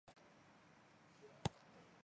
钱尔登去官里居。